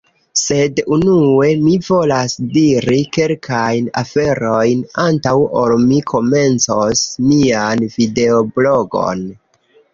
Sed unue, mi volas diri kelkajn aferojn, antaŭ ol mi komencos mian videoblogon.